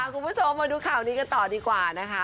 คุณผู้ชมมาดูข่าวนี้กันต่อดีกว่านะคะ